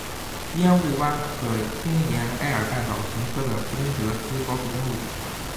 烟雾湾可经沿艾尔半岛行车的弗林德斯高速公路抵达。